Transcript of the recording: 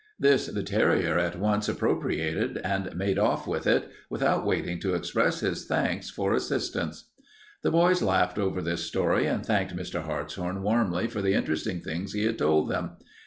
This the terrier at once appropriated and made off with it, without waiting to express his thanks for assistance." The boys laughed over this story, and thanked Mr. Hartshorn warmly for the interesting things he had told them.